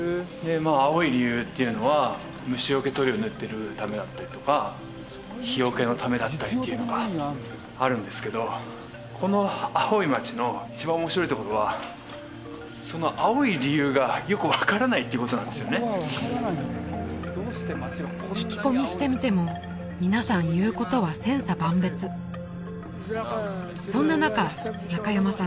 まあ青い理由っていうのは虫よけ塗料塗ってるためだったりとか日よけのためだったりっていうのがあるんですけどこの青い街の一番面白いところはっていうことなんですよね聞き込みしてみても皆さん言うことは千差万別そんな中中山さん